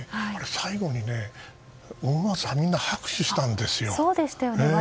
最後に思わずみんな拍手したんですよ。